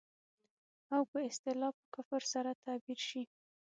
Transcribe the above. او په اصطلاح په کفر سره تعبير شي.